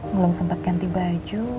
belum sempat ganti baju